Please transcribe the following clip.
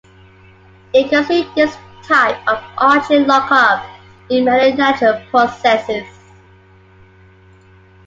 You can see this type of arching 'lockup' in many natural processes.